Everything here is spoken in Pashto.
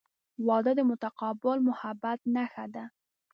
• واده د متقابل محبت نښه ده.